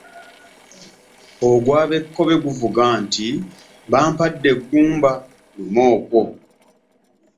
Ogw’Abekkobe guvuga nti “Bampadde ggumba, luma okwo.”